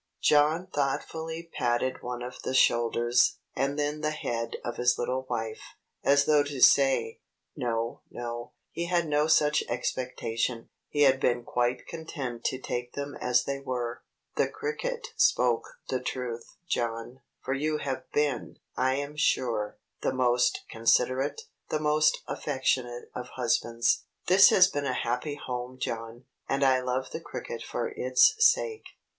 John thoughtfully patted one of the shoulders, and then the head of his little wife, as though to say, "No, no; he had no such expectation; he had been quite content to take them as they were." "The cricket spoke the truth, John, for you have been, I am sure, the most considerate, the most affectionate of husbands. This has been a happy home, John; and I love the cricket for its sake."